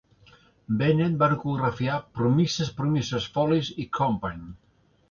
Bennett va coreografiar "Promises, Promises", "Follies" i "Company".